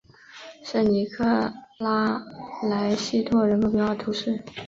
圣尼科拉莱西托人口变化图示